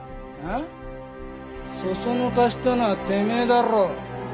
そそのかしたのはてめえだろう。